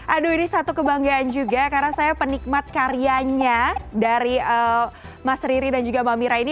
aduh ini satu kebanggaan juga karena saya penikmat karyanya dari mas riri dan juga mbak mira ini